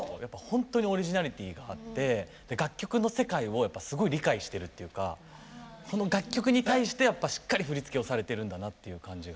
ホントにオリジナリティーがあって楽曲の世界をすごい理解してるっていうかこの楽曲に対してしっかり振り付けをされてるんだなっていう感じが。